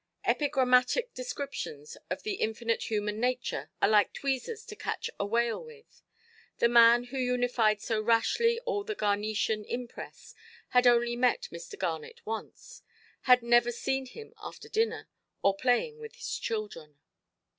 Epigrammatic descriptions of the infinite human nature are like tweezers to catch a whale with. The man who unified so rashly all the Garnetian impress, had only met Mr. Garnet once—had never seen him after dinner, or playing with his children.